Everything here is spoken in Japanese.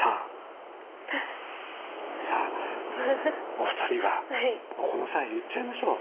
お二人はもうこの際言っちゃいましょう。